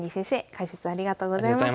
解説ありがとうございました。